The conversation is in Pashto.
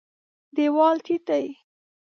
دېوال ټیټ دی.